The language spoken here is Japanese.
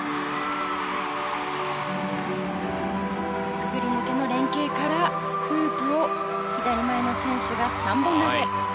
くぐり抜けの連係からフープを左前の選手が３本投げ。